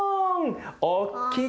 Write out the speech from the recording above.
おっきく。